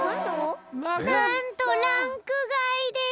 なんとランクがいです。